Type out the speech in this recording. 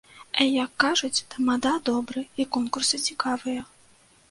Як кажуць, тамада добры, і конкурсы цікавыя.